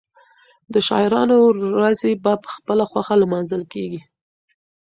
د شاعرانو ورځې په خپله خوښه لمانځل کېږي.